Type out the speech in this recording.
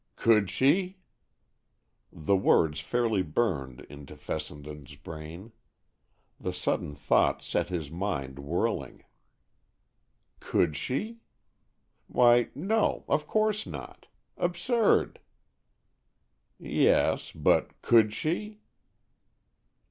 "Could she?" The words fairly burned into Fessenden's brain. The sudden thought set his mind whirling. Could she? Why, no, of course not! Absurd! Yes, but could she?